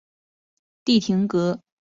蒂廷格是德国巴伐利亚州的一个市镇。